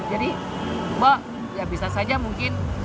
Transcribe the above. jadi mbok ya bisa saja mungkin